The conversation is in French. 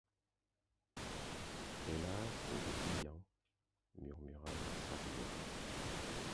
Elle a ses brillants, murmura la Sarriette.